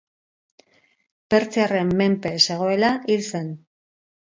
Pertsiarren menpe zegoela hil zen.